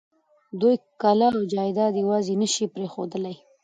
دوی کلا او جايداد يواځې نه شوی پرېښودلای.